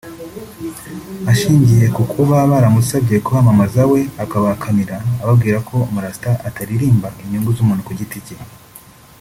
ashingiye ku kuba baramusabye kubamamaza we akabahakanira ababwira ko umu Rasta ataririmba inyungu z’umuntu ku giti cye